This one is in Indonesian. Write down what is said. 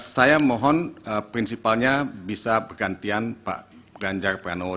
saya mohon prinsipalnya bisa bergantian pak ganjar prano dan pak mahfud